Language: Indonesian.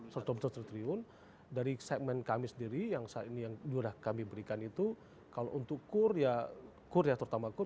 seratusan triliun dari segmen kami sendiri yang sudah kami berikan itu kalau untuk kur ya terutama kur